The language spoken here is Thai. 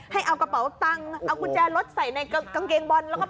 ให้เอากระเป๋าตังค์เอากุญแจรถใส่ในกางเกงบอลแล้วก็